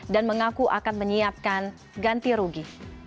dan mengaku akan menyiapkan ganti rugi